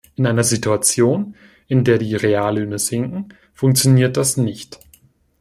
In einer Situation, in der die Reallöhne sinken, funktioniert das nicht.